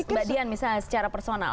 mbak dian misalnya secara personal